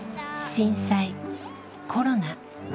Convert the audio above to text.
震災コロナ。